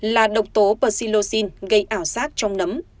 là độc tố persilocin gây ảo sát trong nấm